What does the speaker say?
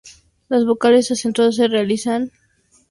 Las vocales acentuadas se realizan con un ligero alargamiento.